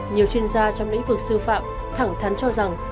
nhiều chuyên gia trong lĩnh vực sư phạm thẳng thắn cho rằng